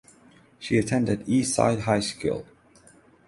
She attended Eastside High School.